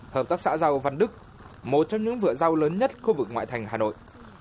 hợp tác xã rau văn đức một trong những vựa rau lớn nhất khu vực ngoại thành hà nội